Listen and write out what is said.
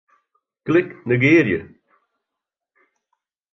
Klik Negearje.